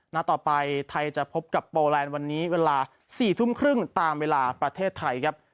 หน้าต่อไปไทยจะพบกับโปแลนด์วันนี้เวลา๔ทุ่มครึ่งตามเวลาประเทศไทยครับ